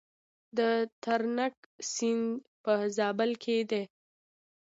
د ترنک سیند په زابل کې دی